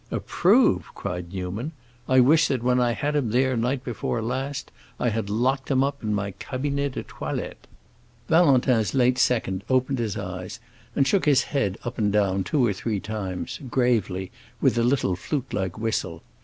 "Approve?" cried Newman. "I wish that when I had him there, night before last, I had locked him up in my cabinet de toilette!" Valentin's late second opened his eyes, and shook his head up and down two or three times, gravely, with a little flute like whistle.